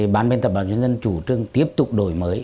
ban biên tập báo nhân dân chủ trương tiếp tục đổi mới